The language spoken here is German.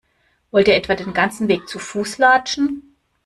Wollt ihr etwa den ganzen Weg zu Fuß latschen?